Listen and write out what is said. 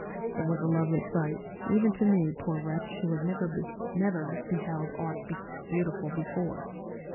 It was a lovely sight, even to me, poor wretch who had never beheld aught beautiful before.